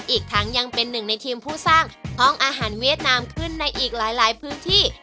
อีกทั้งยังเป็นหนึ่งในทีมผู้สร้างห้องอาหารเวียดนามขึ้นในอีกหลายพื้นที่